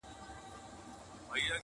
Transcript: ته پیسې کټه خو دا فکرونه مکړه,